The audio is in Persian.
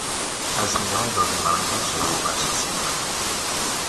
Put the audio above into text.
تضمینهای لازم برای حفظ حقوق اساسی مردم